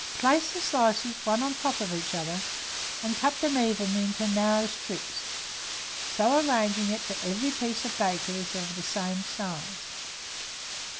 Place the slices one on the top of another, and cut them evenly into narrow strips, so arranging it that every piece of bacon is of the same size.